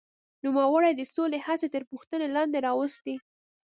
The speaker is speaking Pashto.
نوموړي د سولې هڅې تر پوښتنې لاندې راوستې.